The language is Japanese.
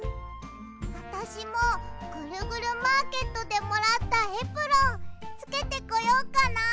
あたしもぐるぐるマーケットでもらったエプロンつけてこよっかな。